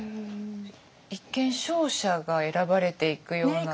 一見勝者が選ばれて行くような。